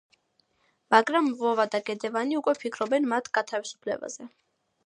მაგრამ ვოვა და გედევანი უკვე ფიქრობენ მათ გათავისუფლებაზე.